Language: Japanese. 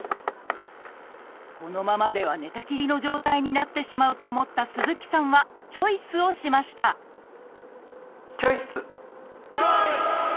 このままでは寝たきりの状態になってしまうと思った鈴木さんはチョイスをしましたチョイス！